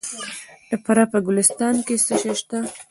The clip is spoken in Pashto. د فراه په ګلستان کې څه شی شته؟